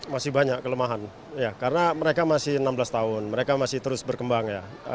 masih banyak kelemahan karena mereka masih enam belas tahun mereka masih terus berkembang ya